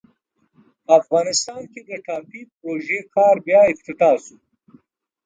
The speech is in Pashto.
په افغانستان کې د ټاپي پروژې کار بیا افتتاح سو.